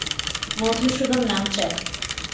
মধুসূদন নাম চায়।